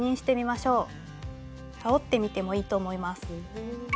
羽織ってみてもいいと思います。